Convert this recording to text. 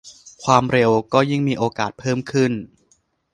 ความเร็วก็ยิ่งมีโอกาสเพิ่มขึ้น